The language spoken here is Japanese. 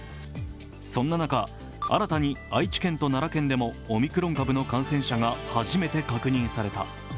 そんな中、新たに愛知県と奈良県でもオミクロン株の感染者が初めて確認されした。